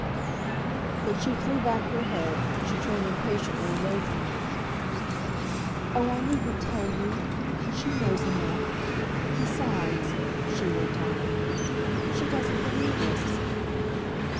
But she threw back her head, she turned impatiently away from him. "Oh, I needn't tell you! She knows enough. Besides," she went on, "she doesn't believe us."